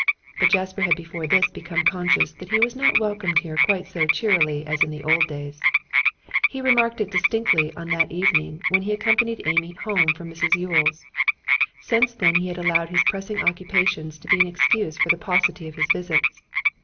But Jasper had before this become conscious that he was not welcomed here quite so cheerily as in the old days. He remarked it distinctly on that evening when he accompanied Amy home from Mrs Yule's; since then he had allowed his pressing occupations to be an excuse for the paucity of his visits.